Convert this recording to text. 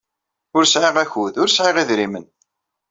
Ur sɛiɣ akud ur sɛiɣ idrimen.